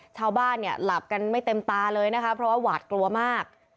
ชาวบ้านเนี่ยหลับกันไม่เต็มตาเลยนะคะเพราะว่าหวาดกลัวมาก